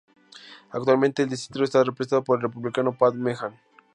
Actualmente el distrito está representado por el Republicano Pat Meehan.